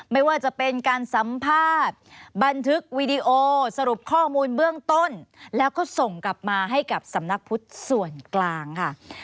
ไม่ว่าจะเป็นการสัมภาษณ์บันทึกวีดีโอสรุปข้อมูลเบื้องต้นแล้วก็ส่งกลับมาให้กับสำนักพุทธส่วนกลางค่ะ